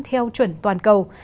theo chuẩn toàn cầu